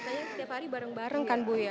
biasanya setiap hari bareng bareng kan bu ya